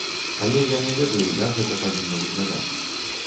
Але я не ведаю, як гэта павінна выглядаць.